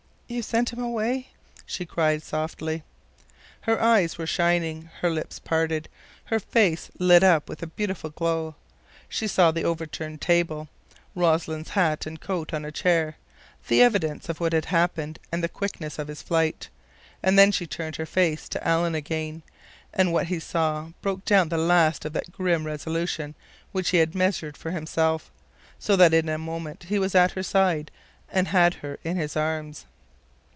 "You sent him away," she cried softly. Her eyes were shining, her lips parted, her face lit up with a beautiful glow. She saw the overturned table, Rossland's hat and coat on a chair, the evidence of what had happened and the quickness of his flight; and then she turned her face to Alan again, and what he saw broke down the last of that grim resolution which he had measured for himself, so that in a moment he was at her side, and had her in his arms.